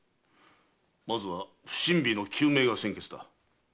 まずは不審火の究明が先決だ。